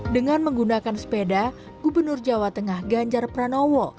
dengan menggunakan sepeda gubernur jawa tengah ganjar pranowo